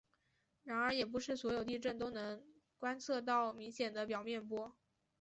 然而也不是所有地震都能观测到明显的表面波。